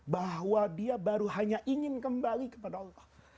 bahwa dia baru hanya ingin kembali kepada allah